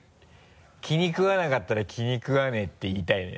気にくわなかったら「気にくわない」って言いたいね。